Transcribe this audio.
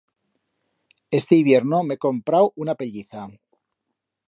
Este hibierno m'he comprau una pelliza.